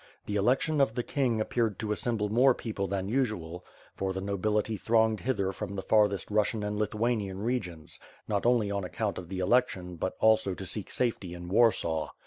The election of the king appeared to assemble more people than usual, for tiie nobility thronged hither from the farthest Russian and Lithaninan regions; not only on account of the election but also to seek safety in Warsaw.